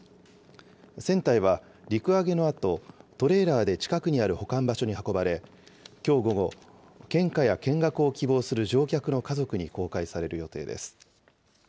船体は陸揚げのあと、トレーラーで近くにある保管場所に運ばれ、きょう午後、献花や見学を希望する乗客の家族に公開される予定です。